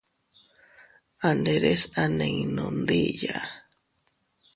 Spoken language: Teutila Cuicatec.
A nderes a ninnu ndiya.